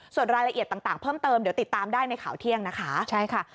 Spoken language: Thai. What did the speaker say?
ส่วนรายละเอียดต่างเพิ่มเติมเดี๋ยวติดตามได้ในข่าวเที่ยงนะคะใช่ค่ะ